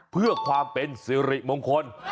เพื่อความเป็นสิริมงคล